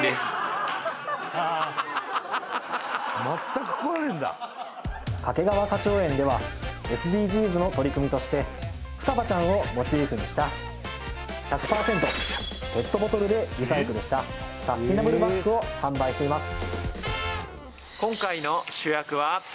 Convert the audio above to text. ただ掛川花鳥園ではＳＤＧｓの取り組みとしてふたばちゃんをモチーフにした１００％ペットボトルでリサイクルしたサステナブルバッグを販売しています